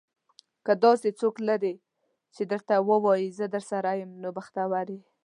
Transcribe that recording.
که داسې څوک لرې چې درته وايي, زه درسره یم. نو بختور یې.